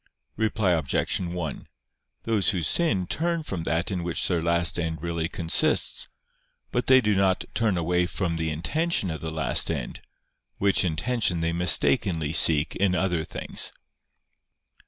Reply Obj. 1: Those who sin turn from that in which their last end really consists: but they do not turn away from the intention of the last end, which intention they mistakenly seek in other things.